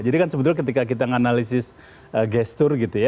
jadi kan sebetulnya ketika kita menganalisis gestur gitu ya